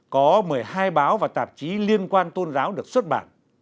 có một mươi hai báo và tạp chí liên quan tôn giáo được xuất bản